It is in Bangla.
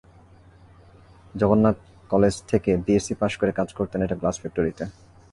জগন্নাথ কলেজ থেকে বিএসসি পাস করে কাজ করতেন একটা গ্লাস ফ্যাক্টরিতে।